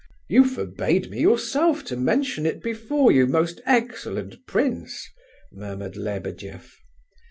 You forbade me yourself to mention it before you, most excellent prince," murmured Lebedeff.